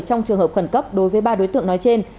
trong trường hợp khẩn cấp đối với ba đối tượng nói trên